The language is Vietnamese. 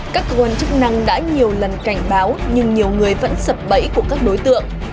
các cơ quan chức năng đã nhiều lần cảnh báo nhưng nhiều người vẫn sập bẫy của các đối tượng